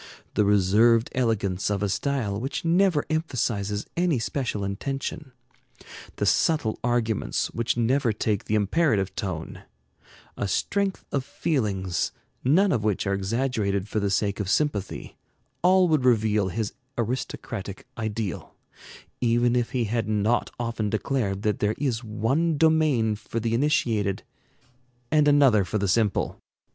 The reserved elegance of a style which never emphasizes any special intention; the subtle arguments which never take the imperative tone; a strength of feelings, none of which are exaggerated for the sake of sympathy, all would reveal his aristocratic ideal, even if he had not often declared that there is one domain for the initiated and another for the simple.